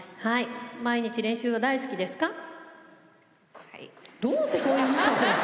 はい、毎日練習は大好きですか？